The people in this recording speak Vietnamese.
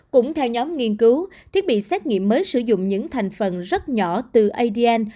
cũng theo nhóm nghiên cứu thiết bị xét nghiệm mới sử dụng những thành phần rất nhỏ từ adn